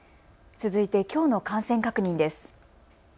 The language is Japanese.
続いて、きょうの感染確認です。